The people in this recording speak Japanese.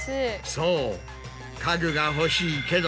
そう家具が欲しいけど。